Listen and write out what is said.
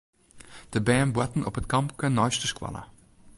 De bern boarten op it kampke neist de skoalle.